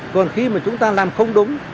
còn khi mà chúng ta làm không đúng